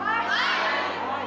はい！